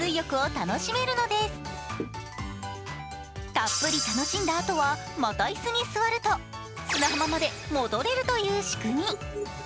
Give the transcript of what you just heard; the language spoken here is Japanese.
たっぷり楽しんだあとはまた椅子に座ると砂浜まで戻れるという仕組み。